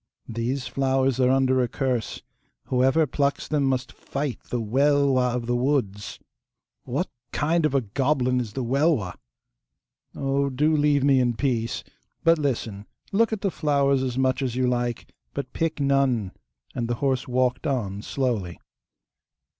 'These flowers are under a curse. Whoever plucks them must fight the Welwa(1) of the woods.' (1) A goblin. 'What kind of a goblin is the Welwa?' 'Oh, do leave me in peace! But listen. Look at the flowers as much as you like, but pick none,' and the horse walked on slowly.